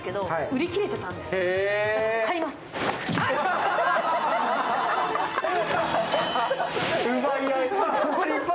奪い合い。